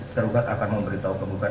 tergugat akan memberitahu penggugat